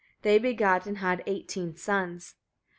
They begat and had eighteen sons.